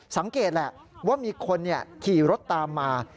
สังเกตแหละว่ามีคนขี่รถตามมา